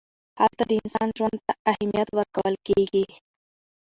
هلته د انسان ژوند ته اهمیت ورکول کېږي.